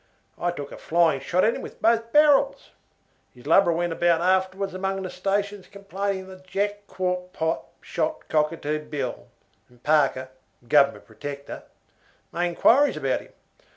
I took a flying shot at him with both barrels. His lubra went about afterwards among the stations complaining that Jack Quart Pot shot Cockatoo Bill, and Parker (the Government Protector) made enquiries about him.